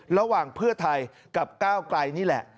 ระหว่างเพื่อไทยกับก้าวไกลนี่แหละ